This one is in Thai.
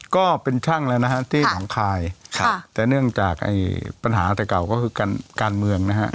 ก็เป็นช่างแล้วนะฮะที่หนองคายแต่เนื่องจากปัญหาแต่เก่าก็คือการเมืองนะฮะ